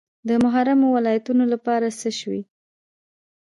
د محرومو ولایتونو لپاره څه شوي؟